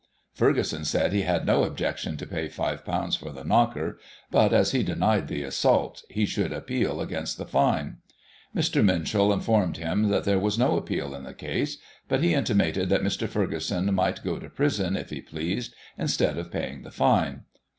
9 Ferguson said he had no objection to pay £s for the knocker, but, as he denied the assault, he should appeal against the fine Mr. Minshull informed him that there was no appeal in the case, but he intimated that Mr. Ferguson might go to prison, if he pleased, instead of paying the fine.